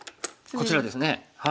こちらですね。